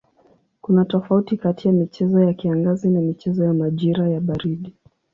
Kuna tofauti kati ya michezo ya kiangazi na michezo ya majira ya baridi.